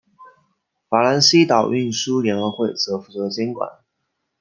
法兰西岛运输联合会则负责监管。